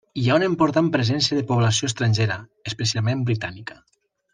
Hi ha una important presència de població estrangera, especialment britànica.